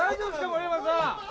盛山さん？